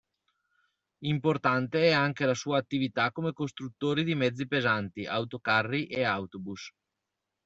Importante è anche la sua attività come costruttore di mezzi pesanti, autocarri e autobus.